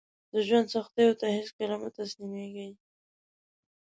د ژوند سختیو ته هیڅکله مه تسلیمیږئ